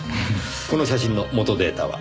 この写真の元データは？